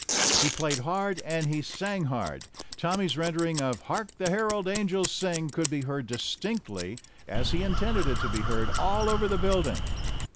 He played hard and he sang hard. Tommy's rendering of "Hark! the Herald Angels Sing" could be heard distinctly as he intended it to be heard all over the building.